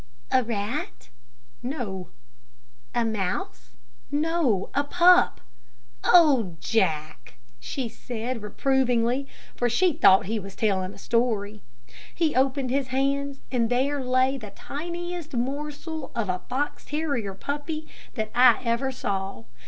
"A rat." "No." "A mouse." "No a pup." "Oh, Jack," she said, reprovingly; for she thought he was telling a story. He opened his hands and there lay the tiniest morsel of a fox terrier puppy that I ever saw.